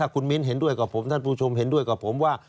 คุณมิ้นเห็นด้วยกับผมท่านผู้ชมเห็นด้วยกับผมว่า